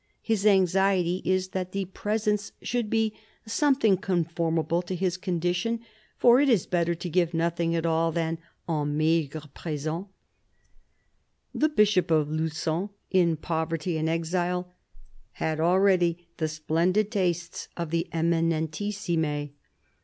His anxiety is that the presents should be " something conformable to his condition," for it is better to give nothing at all than " un maigre present." The Bishop of Lugon, in poverty and exile, had already the splendid tastes of the Eminentissime.